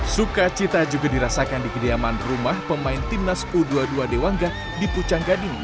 sukacita juga dirasakan di kediaman rumah pemain timnas u dua puluh dua dewangga di pucang gading